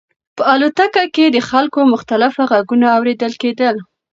په الوتکه کې د خلکو مختلف غږونه اورېدل کېدل.